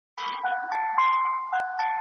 د لویې جرګي بلنلیکونه کله ویشل کیږي؟